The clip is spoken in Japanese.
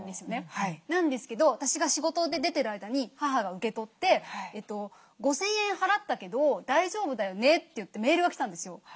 なんですけど私が仕事で出てる間に母が受け取って「５，０００円払ったけど大丈夫だよね？」といってメールが来たんですよ。